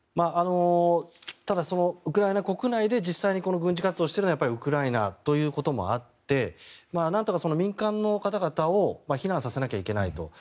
ただ、ウクライナ国内で実際に軍事活動をしているのはやっぱりウクライナということもあってなんとか民間の方々を避難させなきゃいけないと。